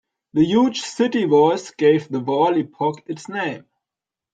The huge city walls gave the wall epoch its name.